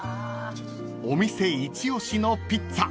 ［お店一推しのピッツァ